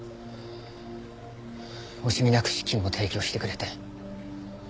惜しみなく資金も提供してくれて。